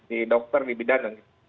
di dokter di bidang